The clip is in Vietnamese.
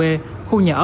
khu nhà ở phường phú hữu